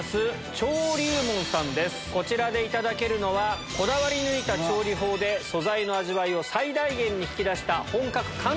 こちらでいただけるのはこだわり抜いた調理法で素材の味わいを最大限に引き出した。